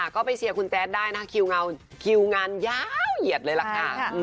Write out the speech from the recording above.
ก็ไปเชียร์คุณแจ๊ดได้นะคิวงานยาวเหยียดเลยล่ะค่ะ